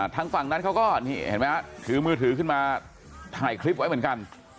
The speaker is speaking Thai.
ทางฝั่งนั้นเขาก็นี่เห็นไหมถือมือถือขึ้นมาถ่ายคลิปไว้เหมือนกัน